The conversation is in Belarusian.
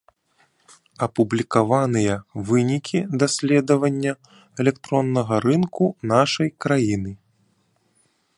Апублікаваныя вынікі даследавання электроннага рынку нашай краіны.